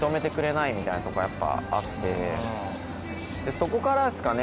そこからっすかね